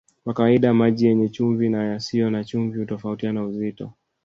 Kwa kawaida maji yenye chumvi na yasiyo na chumvi hutofautiana uzito